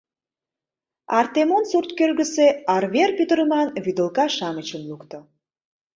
Артемон сурт кӧргысӧ арвер пӱтырыман вӱдылка-шамычым лукто.